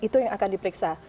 itu yang akan diperiksa